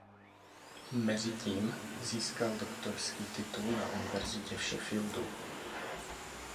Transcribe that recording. Mezitím získal doktorský titul na univerzitě v Sheffieldu.